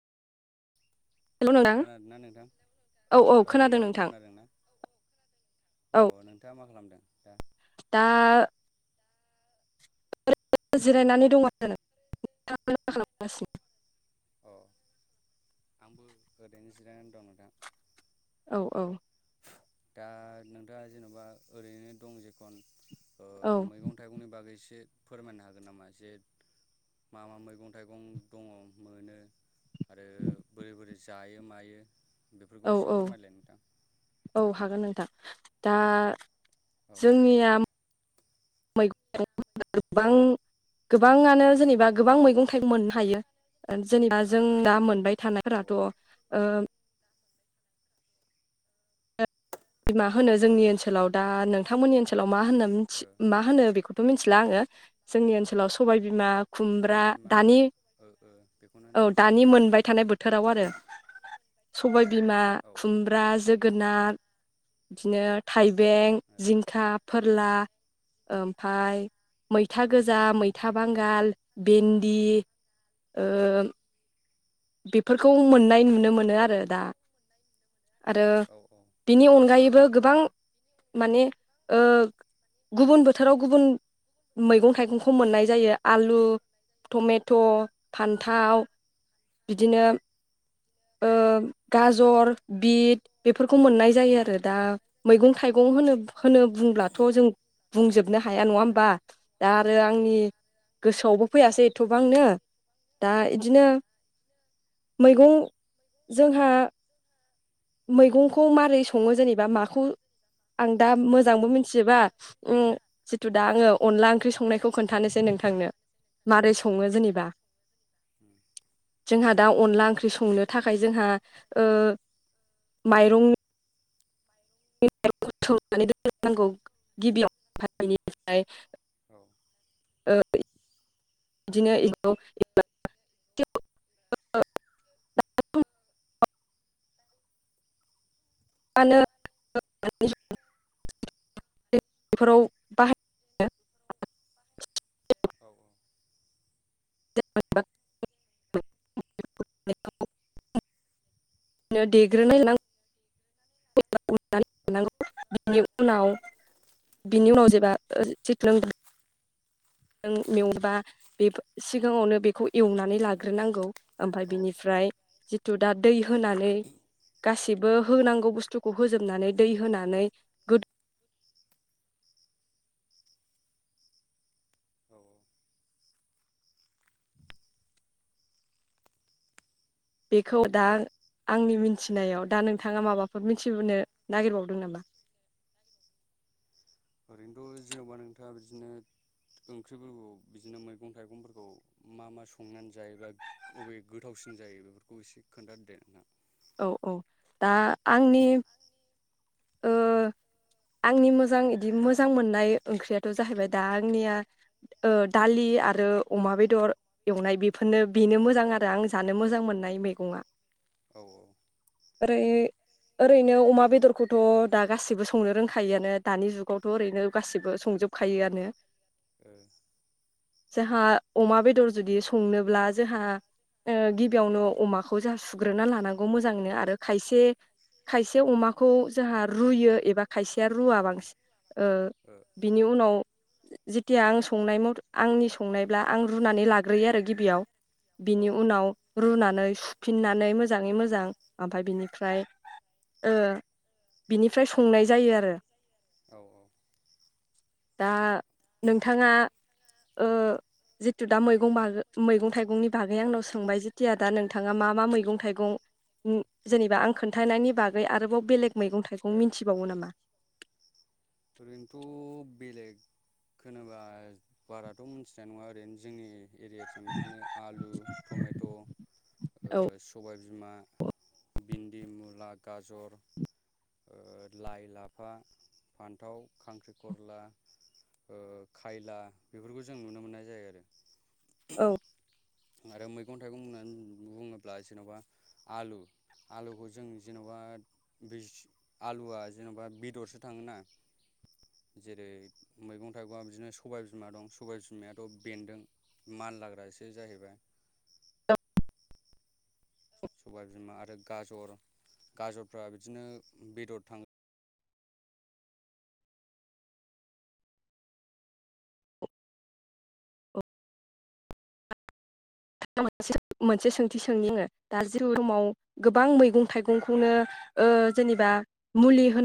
हेल' नोंथां खोनादोंना नोंथां औ नोंथां खोनादोंना औ अ नोंथाङा मा खालामदों दा? दा जिरायनानै दं आरो नोंथाङा [unintelligible] मा खालामगासिनो? अ आंबो ओरैनो जिरायनानै दं नोंथां। औ औ दा नोंथाङा जेन'बा ओरैनो दं जेखन ओ औ मैगं थाइगंनि बागै एसे फोरमायनो हागोन नामा एसे मा-मा मैगं थाइगं दङ मोनो आरो बोरै-बोरै जायो मायो औ बेफोरखौ एसे औ फोरमायलाय नोंथां। औ हागोन नोंथां दा औ जोंनिया [unintelligible] गोबां गोबाङानो जेनेबा गोबां मैगं थाय मोननो हायो जेनेबा जों दा मोनबाय औ थानायफोराथ' ओ मा होनो जोंनि ओनसोलाव दा नोंथांमोननि ओनसोलाव मा होनना मिथि ओ मा होनो बेखौ थ' मिनथिला आङो जोंनि ओनसोलाव सबायबिमा सबाय खुम्ब्रा बिमा दानि ओ ओ बेखौनो औ होनो दा नि मोनबाय थानाय बोथोराव आरो सबायबिमा औ ओ खुमब्रा जोगोनार। बिदिनो थाइबें औ जिंखा फोरला। ओमफाय मैथा गोजा मैथा बांगाल भिन्दि। ओ बेफोरखौ मोननाय नुनो मोनो आरो दा आरो औ ओ औ उम औ बिनि अनगायैबो गोबां माने ओ गुबुन बोथोराव गुबुन मैगं-थाइगंखौ मोननाय जायो आलु, टमेट', फान्थाव। बिदिनो ओ गाजर बिट बेफोरखौ मोननाय जायो आरो दा मैगं-थाइगं होनो होनो बुंब्लाथ' जों बुंजोबनो हाया नङा होमबा। दा आरो आंनि गोसोआवबो फैयासै एथ'बांनो दा इदिनो मैगं जोंहा मैगंखौ मारै सङो जेनेबा माखौ। आं दा मोजांबो मिथिजोबबा उम। जिथु दा आङो अनला ओंख्रि संनायखौ खोन्थानोसै नोंथांनो। मारै औ-औ सङो उम। जेनेबा जोंहा दा अनला ओंख्रि संनो थाखाय जोंहा ओ माइरं। [unintelligible] औ। ओ यिदिनो यिखौ‌ [unintelligible] [unintelligible] बेफोराव। औ औ। [unintelligible] बिदिनो देग्रोना लानांगौ। [unintelligible] जों मेवबा बे सिगाङावनो बेखौ एवनानै लाग्रोनांगौ। ओमफ्राय औ बिनिफ्राय जिथु दा दै होनानै गासैबो होनांगौ बुस्थु। खौ होजोबनानै दै होनानै। गोद औ औ। बेखौ दा आंनि मिथिनायाव दा नोंथाङा माबाफोर मिथिनो नागिरबावदों नामा। ओरैनोथ' जेन'बा नोंथाङा बिदिनो। ओंख्रिफोरखौ बिदिनो मैगं थाइगंफोरखौ मा मा संनानै जायोबा। बबे गोथावसिन जायो बेफोरखौ एसे खोन्थादो दे ना। औ-औ दा आंनि। ओ आंनि मोजां बिदि मोजां मोननाय ओंख्रियाथ' जाहैबाय दा आंनिया। ओ दालि आरो अमा बेदर। एवनाय बेफोरनो बेनो मोजां आरो आं जानो मोजां मोननाय मैगंआ। औ औ। ओरै ओरैनो अमा बेदर खौथ' दा गासिबो संनो रोंखायोआनो दानि जुगावथ' ओरैनो गासिबो संजोबखायोआनो। ओ। जोंहा अमा बेदर जुदि संनोब्ला जोंहा। ओ गिबियावनो अमाखौ जोंहा सुग्रोना लानांगौ मोजाङैनो आरो खायसे। खायसे अमा। खौ जोंहा रुयो एबा खायसेया रुवा औ ओ बांसिन ओ बिनि उनाव। जेथिया आं संनाय आंनि संनायब्ला आं रुनानै लाग्रोयो आरो गिबियाव। बिनि औ उनाव रुनानै सुफिननानै मोजाङै मोजां ओमफ्राय बिनिफ्राय। ओ। बिनिफ्राय संनाय जायो आरो औ जेनेबा आं खोन्थानायनि बागै [inaudible] दा नोंथाङा ओ। जिथु दा मैगं बाग मैगं थाइगंनि बागै आंनाव सोंबाय जेथिया दा नोंथाङा मा मा मैगं थाइगं। उम जेनेबा आं खोन्थनि बागै आरोबाव बेलेग मैगं थाइगं ओ मिथिबावो नामा। ओरैनोथ'। बेलेग खोनोबा बाराथ' मिथिनाय नङा ओरैनो जोंनि। एरियाथिं बिदिनो आलु टमेट' ओ औ सबाय। बिमा भिन्दि मुला गाजर। ओ लाइ लाफा फान्थाव खांख्रि गरला ओ खायला बेफोरखौ जों नुनो मोननाय जायो आरो। औ आरो मैगं थाइगं होननानै बुङोब्ला जेन'बा आलु। आलुखौ जों जेन'बा दैसो आलुआ जेन'बा बेदरसो थाङोना। जेरै मैगं थाइगंया बिदिनो बिमा दं बिमायाथ' बेन्दों। मानलाग्रासो जाहैबा सबाय बिमा आरो गाजर गाजरफ्रा बिदिनो बेदर थाङो। मोनसे सोंथि सोंनि आङो दा जितु समाव गोबां मैगं थाइगंखौनो ओ जेनेबा मुलि होन